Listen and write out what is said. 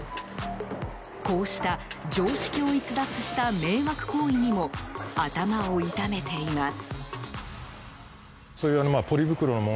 こうした常識を逸脱した迷惑行為にも頭を痛めています。